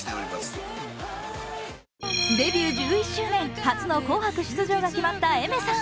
デビュー１１周年、初の「紅白」出場が決まったＡｉｍｅｒさん。